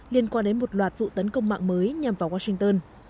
liên quan đến một loạt vụ tấn công mạng mới nhằm vào washington